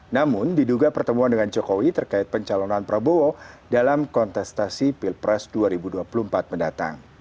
namun diduga pertemuan dengan jokowi terkait pencalonan prabowo dalam kontestasi pilpres dua ribu dua puluh empat mendatang